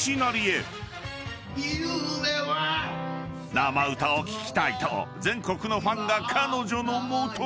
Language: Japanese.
［生歌を聴きたいと全国のファンが彼女の元へ］